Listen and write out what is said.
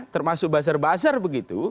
termasuk bazar bazar begitu